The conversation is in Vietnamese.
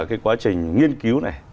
cái quá trình nghiên cứu này